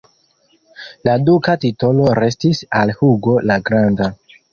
La duka titolo restis al Hugo la Granda.